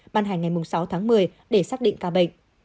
ban hành ngày sáu tháng một mươi để xác định ca bệnh